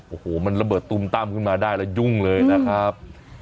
โอ้โหมันระเบิดตุ้มตั้มขึ้นมาได้แล้วยุ่งเลยนะครับ